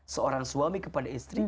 seorang suami kepada istri